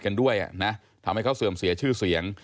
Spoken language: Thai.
กันด้วยนะทำให้เขาเสื่อมเสียชื่อเสียง